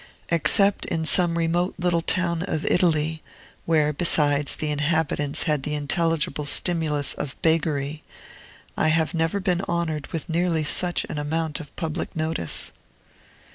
Except in some remote little town of Italy (where, besides, the inhabitants had the intelligible stimulus of beggary), I have never been honored with nearly such an amount of public notice.